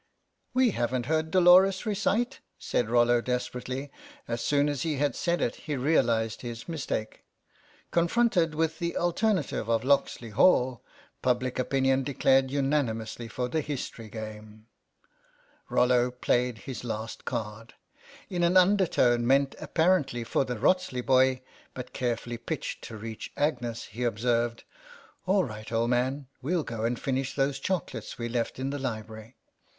"We haven't heard Dolores recite," said Rollo desperately ; as soon as he had said it he realised his mistake. Confronted with the alternative of "Locksley Hall," public opinion declared unanimously for the history game. Rollo played his last card. In an under tone meant apparently for the Wrotsley boy, but carefully pitched to reach Agnes, he observed —" All right, old man ; we'll go and finish those chocolates we left in the library."